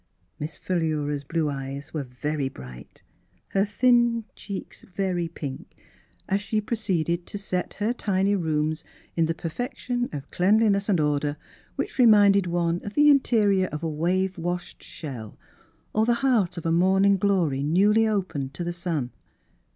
Miss Philura's blue eyes were very bright, her thin cheeks very pink, as she proceeded to set her tiny rooms in the per fection of cleanliness and order which re minded one of the interior of a wave washed shell or the heart of a morning glory newly opened to the sun.